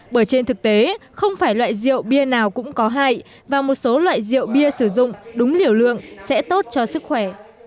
bởi trên thực tế không phải loại rượu bia nào cũng có hại và một số loại rượu bia sử dụng đúng liều lượng sẽ tốt cho sức khỏe